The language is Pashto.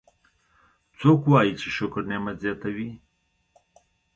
څوک وایي چې شکر نعمت زیاتوي